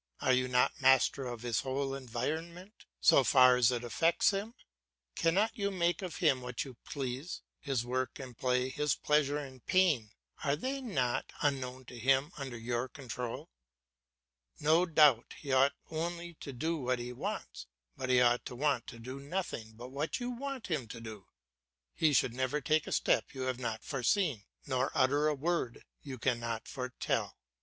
Are you not master of his whole environment so far as it affects him? Cannot you make of him what you please? His work and play, his pleasure and pain, are they not, unknown to him, under your control? No doubt he ought only to do what he wants, but he ought to want to do nothing but what you want him to do. He should never take a step you have not foreseen, nor utter a word you could not foretell.